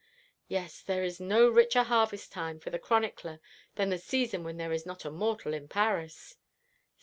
Yes, there is no richer harvest time for the chronicler than the season when there is not a mortal in Paris."